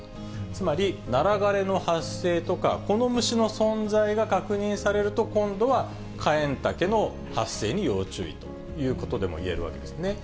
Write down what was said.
つまり、ナラ枯れの発生とか、この虫の存在が確認されると、今度はカエンタケの発生に要注意ということでもいえるわけですね。